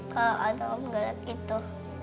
kalau ada orang gelap gitu